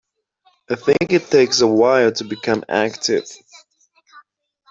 I think it takes a while to become active.